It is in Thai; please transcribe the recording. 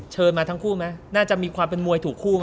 เชิญมาทั้งคู่มั้ยน่าจะมีความเป็นมวยถูกคู่มั้ย